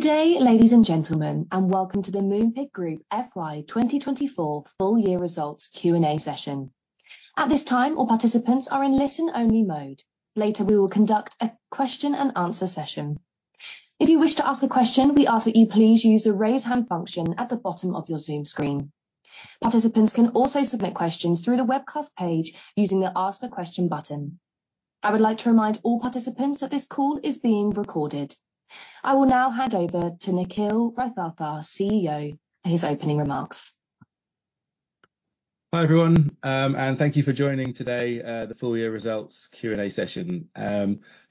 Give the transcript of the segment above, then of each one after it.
Good day, ladies and gentlemen, and welcome to the Moonpig Group FY 2024 Full Year Results Q&A Session. At this time, all participants are in listen-only mode. Later, we will conduct a question and answer session. If you wish to ask a question, we ask that you please use the Raise Hand function at the bottom of your Zoom screen. Participants can also submit questions through the webcast page using the Ask a Question button. I would like to remind all participants that this call is being recorded. I will now hand over to Nickyl Raithatha, CEO, for his opening remarks. Hi, everyone, and thank you for joining today, the full year results Q&A session.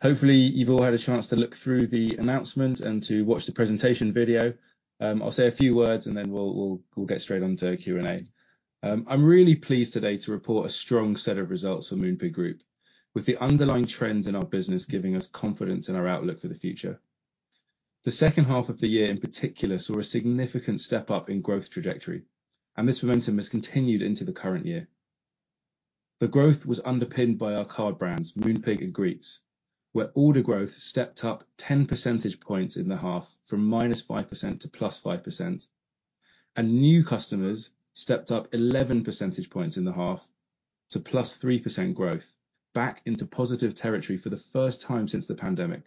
Hopefully, you've all had a chance to look through the announcement and to watch the presentation video. I'll say a few words, and then we'll get straight on to Q&A. I'm really pleased today to report a strong set of results for Moonpig Group, with the underlying trends in our business giving us confidence in our outlook for the future. The second half of the year, in particular, saw a significant step up in growth trajectory, and this momentum has continued into the current year. The growth was underpinned by our card brands, Moonpig and Greetz, where order growth stepped up 10 percentage points in the half, from -5% to +5%, and new customers stepped up 11 percentage points in the half to +3% growth, back into positive territory for the first time since the pandemic.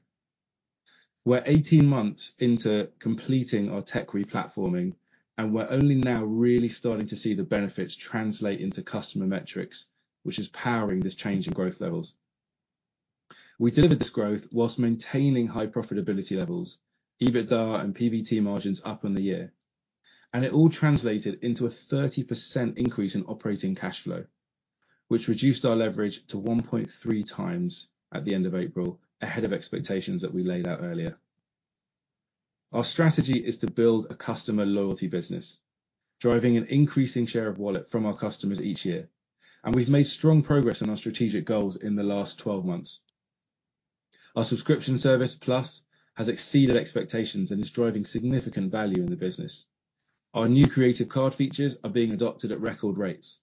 We're 18 months into completing our tech replatforming, and we're only now really starting to see the benefits translate into customer metrics, which is powering this change in growth levels. We delivered this growth while maintaining high profitability levels, EBITDA and PBT margins up on the year, and it all translated into a 30% increase in operating cash flow, which reduced our leverage to 1.3x at the end of April, ahead of expectations that we laid out earlier. Our strategy is to build a customer loyalty business, driving an increasing share of wallet from our customers each year, and we've made strong progress on our strategic goals in the last 12 months. Our subscription service, Plus, has exceeded expectations and is driving significant value in the business. Our new creative card features are being adopted at record rates.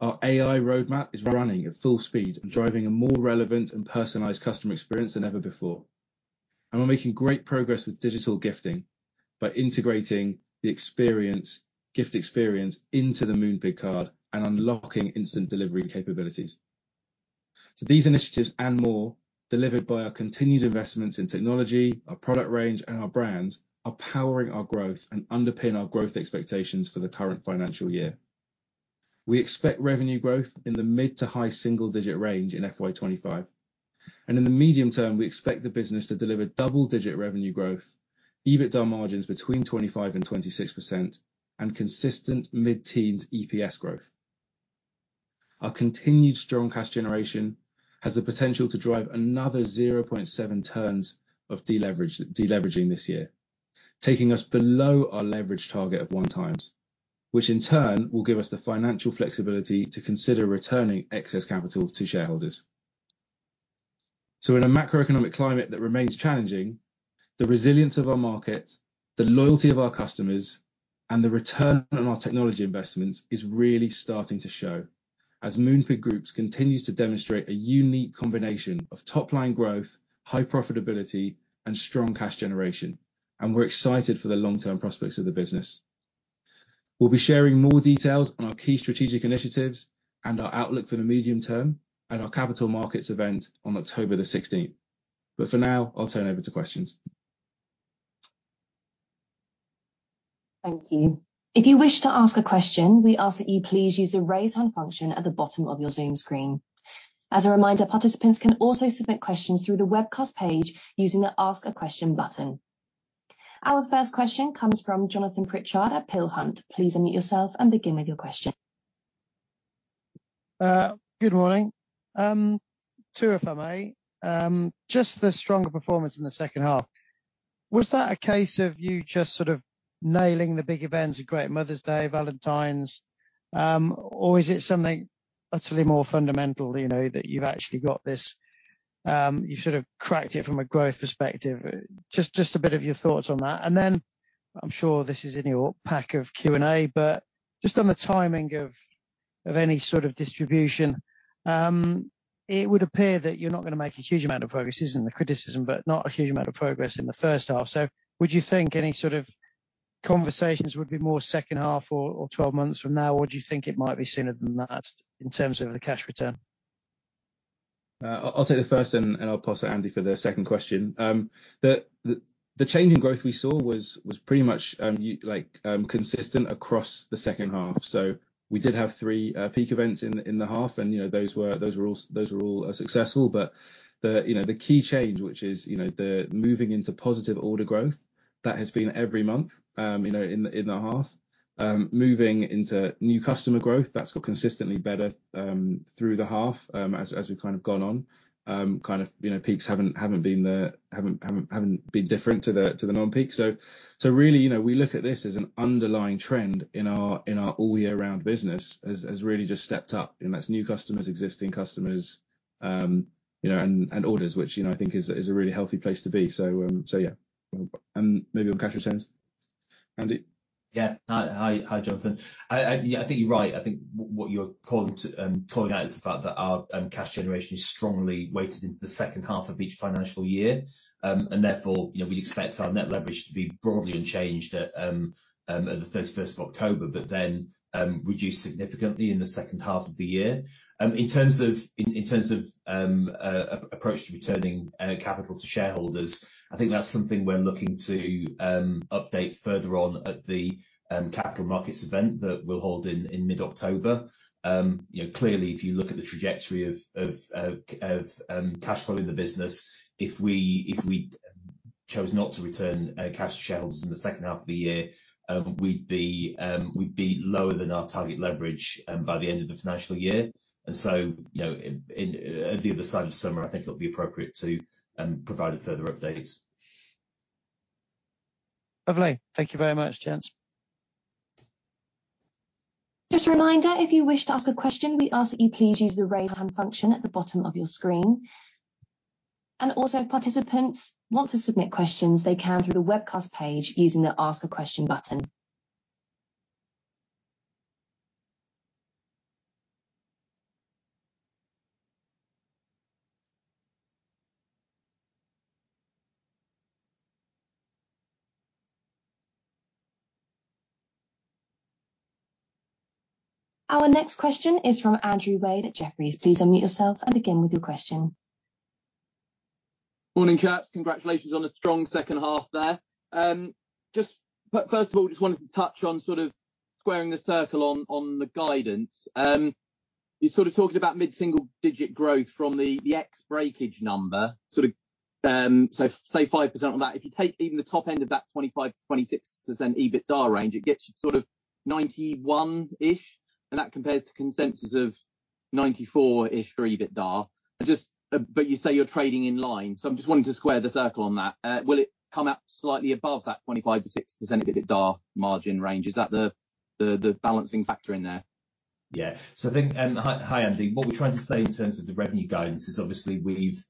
Our AI roadmap is running at full speed and driving a more relevant and personalized customer experience than ever before. We're making great progress with digital gifting by integrating the experience gift experience into the Moonpig card and unlocking instant delivery capabilities. These initiatives, and more, delivered by our continued investments in technology, our product range and our brand, are powering our growth and underpin our growth expectations for the current financial year. We expect revenue growth in the mid- to high-single-digit range in FY 2025, and in the medium term, we expect the business to deliver double-digit revenue growth, EBITDA margins between 25% and 26%, and consistent mid-teens EPS growth. Our continued strong cash generation has the potential to drive another 0.7 turns of deleverage, deleveraging this year, taking us below our leverage target of 1x, which in turn will give us the financial flexibility to consider returning excess capital to shareholders. So in a macroeconomic climate that remains challenging, the resilience of our market, the loyalty of our customers, and the return on our technology investments is really starting to show as Moonpig Group continues to demonstrate a unique combination of top-line growth, high profitability, and strong cash generation, and we're excited for the long-term prospects of the business. We'll be sharing more details on our key strategic initiatives and our outlook for the medium term at our Capital Markets Event on October 16. For now, I'll turn over to questions. Thank you. If you wish to ask a question, we ask that you please use the Raise Hand function at the bottom of your Zoom screen. As a reminder, participants can also submit questions through the webcast page using the Ask a Question button. Our first question comes from Jonathan Pritchard at Peel Hunt. Please unmute yourself and begin with your question. Good morning. Two, if I may. Just the stronger performance in the second half, was that a case of you just sort of nailing the big events, a great Mother's Day, Valentine's, or is it something utterly more fundamental, you know, that you've actually got this, you sort of cracked it from a growth perspective? Just, just a bit of your thoughts on that. And then I'm sure this is in your pack of Q&A, but just on the timing of any sort of distribution, it would appear that you're not gonna make a huge amount of progress, isn't the criticism, but not a huge amount of progress in the first half. Would you think any sort of conversations would be more second half or, or 12 months from now, or do you think it might be sooner than that in terms of the cash return? I'll take the first, and I'll pass to Andy for the second question. The change in growth we saw was pretty much, like, consistent across the second half. So we did have three peak events in the half, and, you know, those were all successful. But the key change, which is, you know, the moving into positive order growth, that has been every month, you know, in the half. Moving into new customer growth, that's got consistently better through the half, as we've kind of gone on. Kind of, you know, peaks haven't been different to the non-peak. So, so really, you know, we look at this as an underlying trend in our, in our all year round business, has, has really just stepped up, and that's new customers, existing customers, you know, and, and orders, which, you know, I think is a, is a really healthy place to be. So, so yeah. Maybe I'll catch your second?... Yeah. Hi, Jonathan. Yeah, I think you're right. I think what you're calling out is the fact that our cash generation is strongly weighted into the second half of each financial year. And therefore, you know, we expect our net leverage to be broadly unchanged at the 31st of October, but then reduce significantly in the second half of the year. In terms of approach to returning capital to shareholders, I think that's something we're looking to update further on at the Capital Markets Event that we'll hold in mid-October. You know, clearly, if you look at the trajectory of cash flow in the business, if we chose not to return cash to shareholders in the second half of the year, we'd be lower than our target leverage by the end of the financial year. And so, you know, at the other side of summer, I think it'll be appropriate to provide a further update. Lovely. Thank you very much, gents. Just a reminder, if you wish to ask a question, we ask that you please use the Raise Hand function at the bottom of your screen. Also, if participants want to submit questions, they can through the webcast page using the Ask a Question button. Our next question is from Andrew Wade at Jefferies. Please unmute yourself and begin with your question. Morning, chaps. Congratulations on a strong second half there. But first of all, just wanted to touch on sort of squaring the circle on the guidance. You're sort of talking about mid-single digit growth from the ex-breakage number, sort of, so say 5% on that. If you take even the top end of that 25%-26% EBITDA range, it gets you sort of 91-ish, and that compares to consensus of 94-ish for EBITDA. But you say you're trading in line, so I'm just wanting to square the circle on that. Will it come out slightly above that 25%-26% EBITDA margin range? Is that the balancing factor in there? Yeah. So I think, and hi, hi, Andy. What we're trying to say in terms of the revenue guidance is, obviously, we've,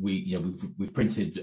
we, you know, we've, we've printed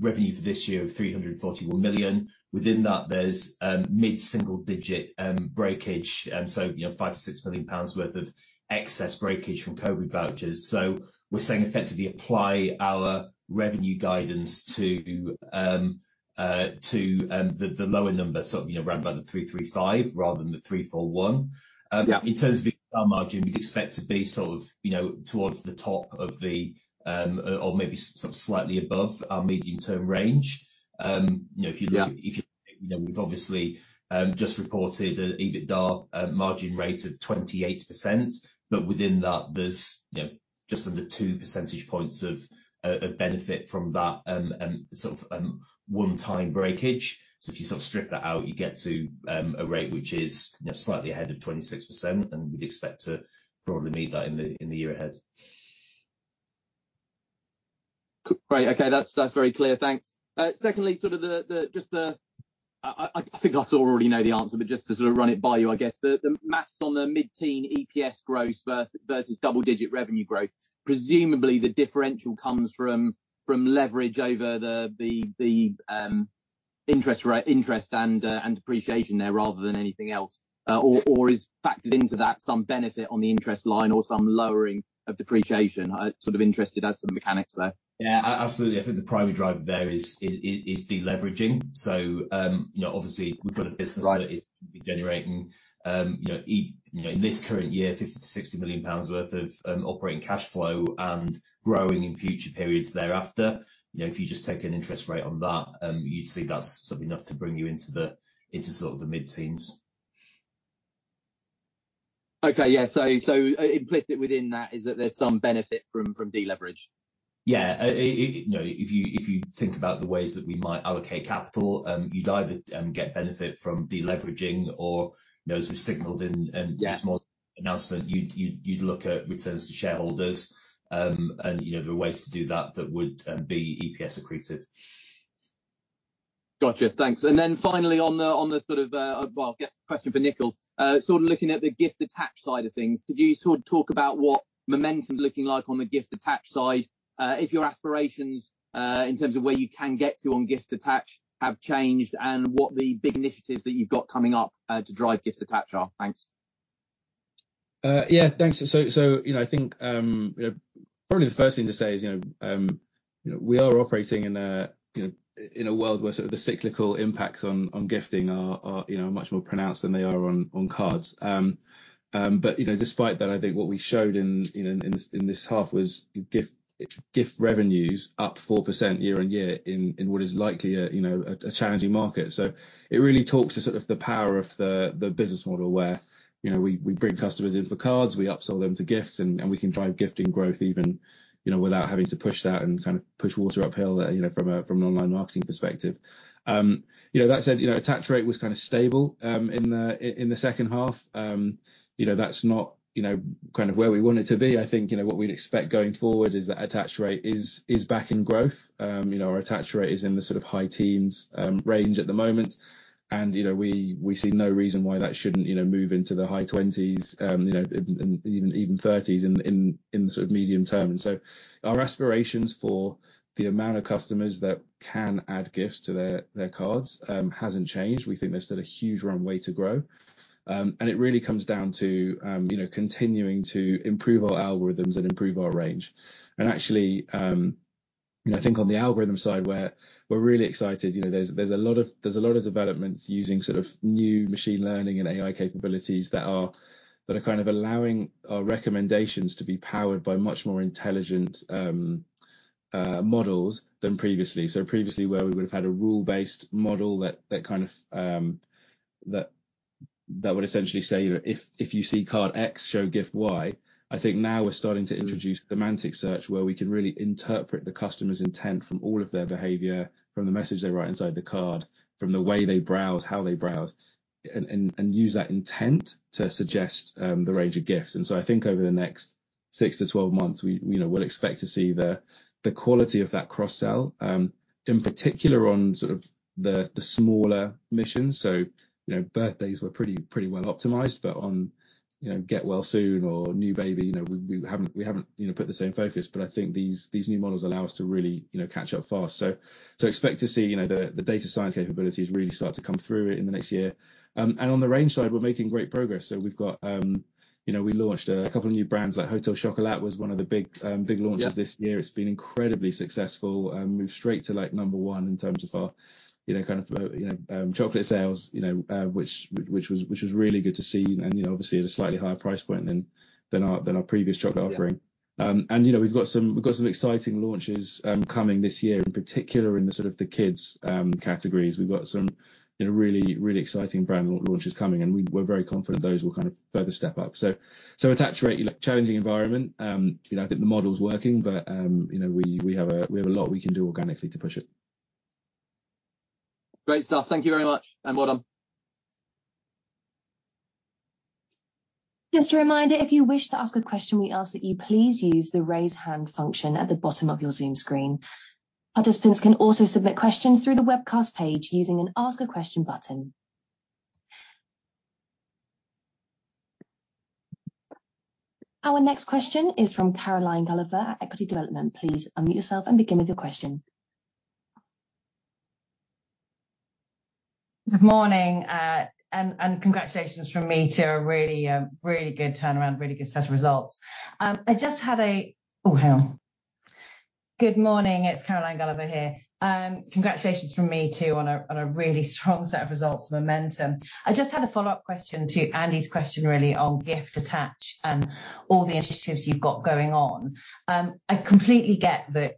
revenue for this year of 341 million. Within that, there's mid-single digit breakage, so, you know, 5 million-6 million pounds worth of excess breakage from COVID vouchers. So we're saying effectively apply our revenue guidance to, to, the, the lower number, so, you know, around about the 335 rather than the 341. In terms of EBITDA margin, we'd expect to be sort of, you know, towards the top of the or maybe sort of slightly above our medium-term range. You know, if you look at- if you, you know, we've obviously just reported an EBITDA margin rate of 28%, but within that, there's, you know, just under two percentage points of benefit from that, sort of one-time breakage. So if you sort of strip that out, you get to a rate which is, you know, slightly ahead of 26%, and we'd expect to broadly meet that in the year ahead. Great. Okay. That's, that's very clear. Thanks. Secondly, sort of the just the... I think I sort of already know the answer, but just to sort of run it by you, I guess, the math on the mid-teen EPS growth versus double-digit revenue growth, presumably the differential comes from leverage over the interest and depreciation there, rather than anything else. Or is factored into that some benefit on the interest line or some lowering of depreciation? I'm sort of interested as to the mechanics there. Yeah, absolutely. I think the primary driver there is deleveraging. So, you know, obviously- we've got a business that is generating, you know, you know, in this current year, 50 million-60 million pounds worth of, operating cashflow and growing in future periods thereafter. You know, if you just take an interest rate on that, you'd see that's sort of enough to bring you into the, into sort of the mid-teens. Okay, yeah, so implicit within that is that there's some benefit from deleveraging? Yeah. You know, if you think about the ways that we might allocate capital, you'd either get benefit from deleveraging or, you know, as we've signaled in, in- this morning's announcement, you'd look at returns to shareholders, and you know, there are ways to do that that would be EPS accretive. Gotcha, thanks. And then finally, on the sort of, well, I guess the question for Nickyl, sort of looking at the gift attach side of things, could you sort of talk about what momentum's looking like on the gift attach side? If your aspirations, in terms of where you can get to on gift attach, have changed, and what the big initiatives that you've got coming up, to drive gift attach are? Thanks. Yeah, thanks. So, you know, I think, you know, probably the first thing to say is, you know, we are operating in a, you know, in a world where sort of the cyclical impacts on gifting are, you know, much more pronounced than they are on cards. But, you know, despite that, I think what we showed in this half was gift revenues up 4% year-on-year in what is likely a, you know, a challenging market. So it really talks to sort of the power of the business model, where, you know, we bring customers in for cards, we upsell them to gifts, and we can drive gifting growth even, you know, without having to push that and kind of push water uphill, you know, from an online marketing perspective. You know, that said, you know, attach rate was kind of stable in the second half. You know, that's not, you know, kind of where we want it to be. I think, you know, what we'd expect going forward is that attach rate is back in growth. You know, our attach rate is in the sort of high teens range at the moment. And, you know, we see no reason why that shouldn't, you know, move into the high 20s, you know, and even 30s in the sort of medium term. So our aspirations for the amount of customers that can add gifts to their cards hasn't changed. We think there's still a huge runway to grow. And it really comes down to, you know, continuing to improve our algorithms and improve our range. And actually, you know, I think on the algorithm side, we're really excited. You know, there's a lot of developments using sort of new machine learning and AI capabilities that are kind of allowing our recommendations to be powered by much more intelligent models than previously. So previously, where we would have had a rule-based model that kind of would essentially say, if you see card X, show gift Y, I think now we're starting to introduce semantic search, where we can really interpret the customer's intent from all of their behavior, from the message they write inside the card, from the way they browse, how they browse, and use that intent to suggest the range of gifts. And so I think over the next 6-12 months, you know, we'll expect to see the quality of that cross-sell, in particular on sort of the smaller occasions. So, you know, birthdays were pretty well optimized, but on, you know, get well soon or new baby, you know, we haven't put the same focus. But I think these new models allow us to really, you know, catch up fast. So expect to see, you know, the data science capabilities really start to come through in the next year. And on the range side, we're making great progress. So we've got, you know, we launched a couple of new brands, like Hotel Chocolat was one of the big, big launches- this year. It's been incredibly successful and moved straight to, like, number one in terms of our, you know, kind of, you know, chocolate sales, you know, which was really good to see, and, you know, obviously at a slightly higher price point than our previous chocolate offering. And, you know, we've got some, we've got some exciting launches coming this year, in particular in the sort of the kids categories. We've got some, you know, really, really exciting brand launches coming, and we're very confident those will kind of further step up. So, attach rate, look, challenging environment. You know, I think the model is working, but, you know, we have a lot we can do organically to push it. Great stuff. Thank you very much, and well done. Just a reminder, if you wish to ask a question, we ask that you please use the Raise Hand function at the bottom of your Zoom screen. Participants can also submit questions through the webcast page using an Ask a Question button. Our next question is from Caroline Gulliver at Equity Development. Please unmute yourself and begin with your question. Good morning, congratulations from me to a really good turnaround, really good set of results. Oh, hell! Good morning. It's Caroline Gulliver here. Congratulations from me, too, on a really strong set of results, momentum. I just had a follow-up question to Andy's question, really, on gift attach, all the initiatives you've got going on. I completely get that,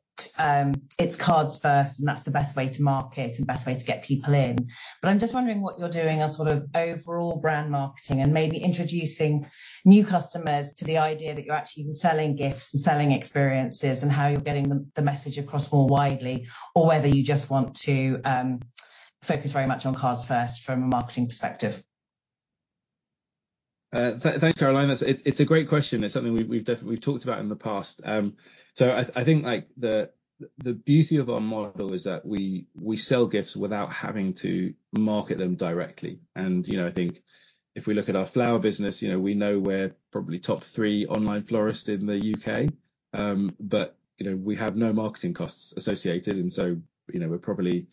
it's cards first, and that's the best way to market and best way to get people in. But I'm just wondering what you're doing as sort of overall brand marketing and maybe introducing new customers to the idea that you're actually selling gifts and selling experiences, and how you're getting the message across more widely, or whether you just want to focus very much on cards first from a marketing perspective. Thanks, Caroline. It's a great question. It's something we've talked about in the past. So I think, like, the beauty of our model is that we sell gifts without having to market them directly. And, you know, I think if we look at our flower business, you know, we know we're probably top three online florist in the U.K. But, you know, we have no marketing costs associated, and so, you know, we're probably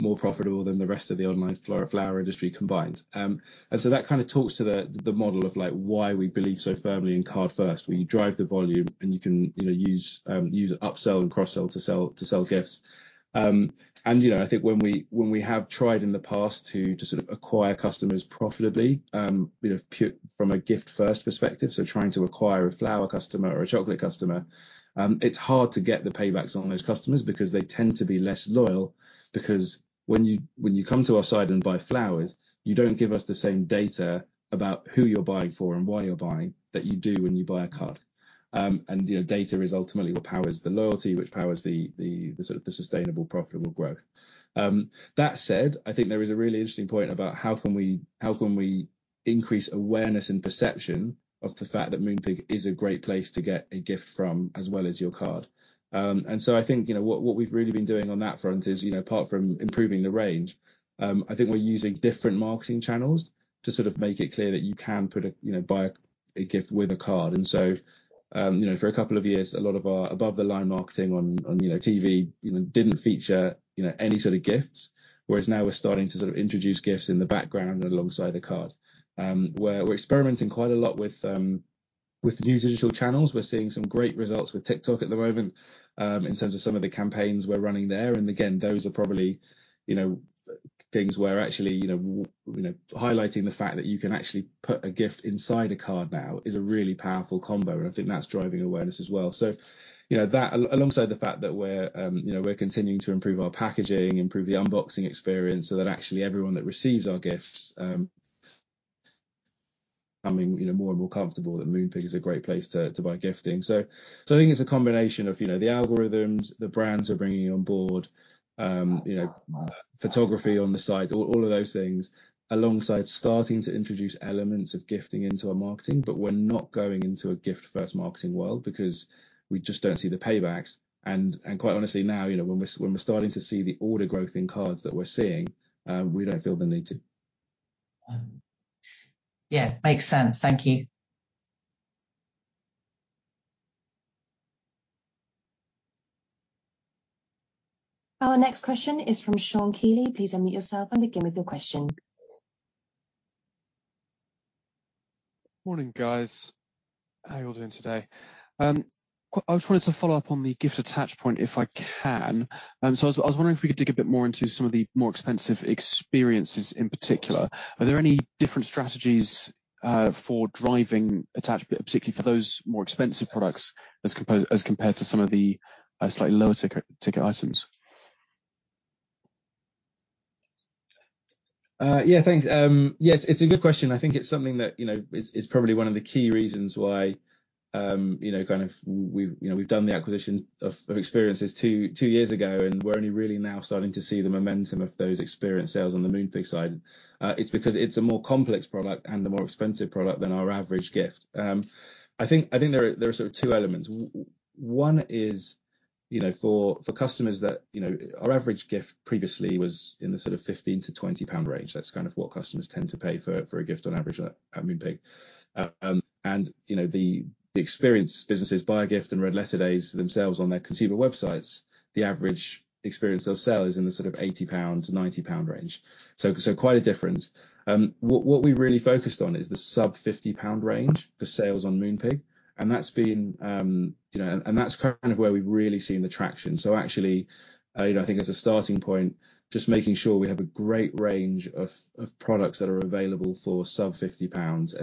more profitable than the rest of the online flower industry combined. And so that kind of talks to the model of, like, why we believe so firmly in card first, where you drive the volume, and you can, you know, use upsell and cross-sell to sell gifts. And, you know, I think when we, when we have tried in the past to just sort of acquire customers profitably, you know, from a gift first perspective, so trying to acquire a flower customer or a chocolate customer, it's hard to get the paybacks on those customers because they tend to be less loyal. Because when you, when you come to our site and buy flowers, you don't give us the same data about who you're buying for and why you're buying, that you do when you buy a card. And, you know, data is ultimately what powers the loyalty, which powers the sort of sustainable, profitable growth. That said, I think there is a really interesting point about how can we, how can we increase awareness and perception of the fact that Moonpig is a great place to get a gift from, as well as your card? And so I think, you know, what we've really been doing on that front is, you know, apart from improving the range, I think we're using different marketing channels to sort of make it clear that you can put a, you know, buy a gift with a card. And so, you know, for a couple of years, a lot of our above-the-line marketing on TV didn't feature any sort of gifts. Whereas now we're starting to sort of introduce gifts in the background alongside the card. We're experimenting quite a lot with new digital channels. We're seeing some great results with TikTok at the moment in terms of some of the campaigns we're running there. And again, those are probably, you know, things where actually, you know, highlighting the fact that you can actually put a gift inside a card now is a really powerful combo, and I think that's driving awareness as well. So, you know, that alongside the fact that we're, you know, we're continuing to improve our packaging, improve the unboxing experience, so that actually everyone that receives our gifts becoming, you know, more and more comfortable that Moonpig is a great place to buy gifting. So, I think it's a combination of, you know, the algorithms, the brands we're bringing on board, you know, photography on the site, all of those things, alongside starting to introduce elements of gifting into our marketing, but we're not going into a gift-first marketing world because we just don't see the paybacks. And quite honestly, now, you know, when we're starting to see the order growth in cards that we're seeing, we don't feel the need to. Yeah, makes sense. Thank you. Our next question is from Sean Kealy. Please unmute yourself and begin with your question. Morning, guys. How are you all doing today? I just wanted to follow up on the gift attach point, if I can. So I was wondering if we could dig a bit more into some of the more expensive experiences, in particular. Are there any different strategies for driving attachment, particularly for those more expensive products, as compared to some of the slightly lower ticket items? Yeah, thanks. Yes, it's a good question. I think it's something that, you know, is, is probably one of the key reasons why, you know, kind of we've done the acquisition of experiences two years ago, and we're only really now starting to see the momentum of those experience sales on the Moonpig side. It's because it's a more complex product and a more expensive product than our average gift. I think there are two elements. One is, you know, for customers that, you know... Our average gift previously was in the sort of 15-20 pound range. That's kind of what customers tend to pay for a gift on average at Moonpig. The experience businesses Buyagift and Red Letter Days themselves on their consumer websites, the average experience they'll sell is in the sort of 80-90 pound range, so quite a difference. What we really focused on is the sub 50 pound range for sales on Moonpig, and that's been, you know, and that's kind of where we've really seen the traction. So actually, you know, I think as a starting point, just making sure we have a great range of products that are available for sub 50 pounds.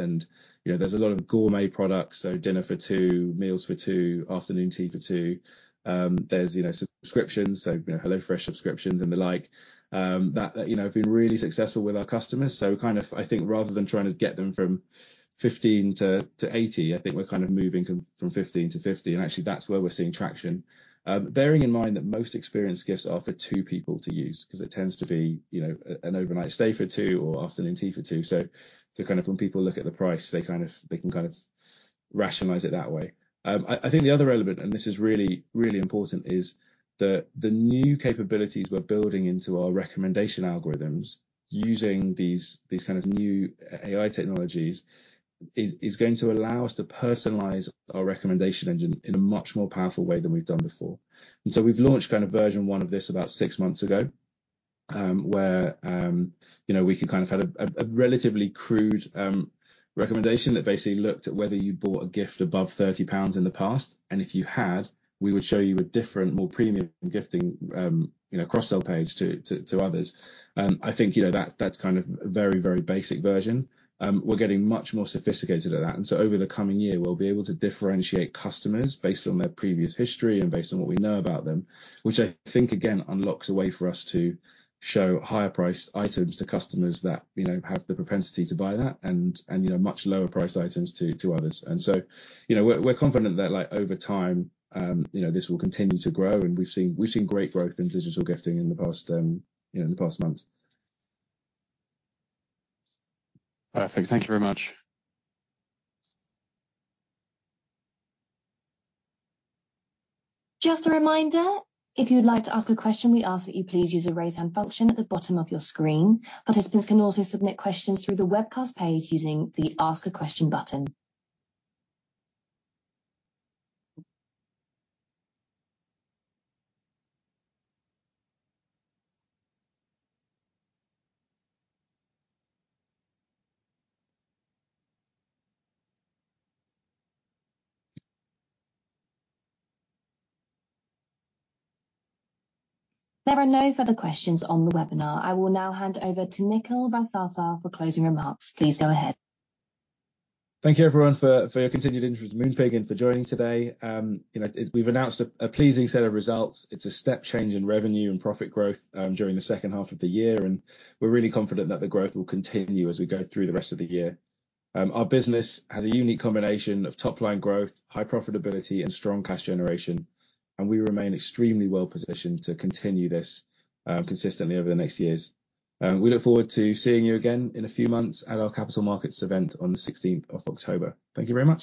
You know, there's a lot of gourmet products, so dinner for two, meals for two, afternoon tea for two. There's, you know, subscriptions, so, you know, HelloFresh subscriptions and the like, that, you know, have been really successful with our customers. So kind of, I think rather than trying to get them from 15-80, I think we're kind of moving from 15-50, and actually, that's where we're seeing traction. Bearing in mind that most experience gifts are for two people to use, 'cause it tends to be, you know, an overnight stay for two or afternoon tea for two. So kind of when people look at the price, they kind of, they can kind of rationalize it that way. I think the other element, and this is really, really important, is the new capabilities we're building into our recommendation algorithms using these kind of new AI technologies, is going to allow us to personalize our recommendation engine in a much more powerful way than we've done before. We've launched kind of Version 1 of this about six months ago, where, you know, we could kind of have a relatively crude recommendation that basically looked at whether you bought a gift above 30 pounds in the past, and if you had, we would show you a different, more premium gifting, you know, cross-sell page to others. I think, you know, that's kind of a very, very basic version. We're getting much more sophisticated at that, and so over the coming year, we'll be able to differentiate customers based on their previous history and based on what we know about them, which I think, again, unlocks a way for us to show higher priced items to customers that, you know, have the propensity to buy that, and, you know, much lower priced items to others. So, you know, we're confident that, like, over time, you know, this will continue to grow, and we've seen great growth in digital gifting in the past, you know, in the past months. Thank you very much. Just a reminder, if you'd like to ask a question, we ask that you please use the Raise Hand function at the bottom of your screen. Participants can also submit questions through the webcast page using the Ask a Question button. There are no further questions on the webinar. I will now hand over to Nickyl Raithatha for closing remarks. Please go ahead. Thank you, everyone, for your continued interest in Moonpig and for joining today. You know, as we've announced a pleasing set of results, it's a step change in revenue and profit growth during the second half of the year, and we're really confident that the growth will continue as we go through the rest of the year. Our business has a unique combination of top-line growth, high profitability, and strong cash generation, and we remain extremely well positioned to continue this consistently over the next years. We look forward to seeing you again in a few months at our Capital Markets Event on the 16th of October. Thank you very much.